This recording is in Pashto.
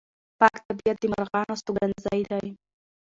پاک طبیعت د مرغانو استوګنځی دی.